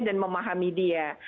dan memahami dia